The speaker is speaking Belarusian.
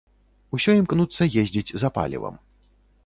Усё імкнуцца ездзіць за палівам.